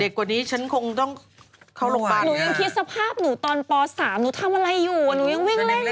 กว่านี้ฉันคงต้องลงไปหนูยังคิดสภาพหนูตอนป๓หนูทำอะไรอยู่หนูยังวิ่งเล่นเลย